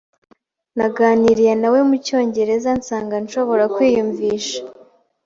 Naganiriye nawe mucyongereza nsanga nshobora kwiyumvisha.